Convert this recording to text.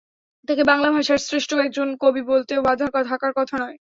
তাঁকে বাংলা ভাষার শ্রেষ্ঠ একজন কবি বলতেও বাধা থাকার কথা নয়।